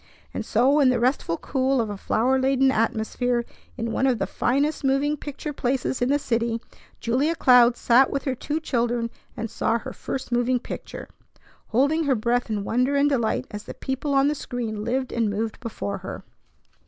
And so in the restful cool of a flower laden atmosphere in one of the finest moving picture places in the city Julia Cloud sat with her two children and saw her first moving picture, holding her breath in wonder and delight as the people on the screen lived and moved before her.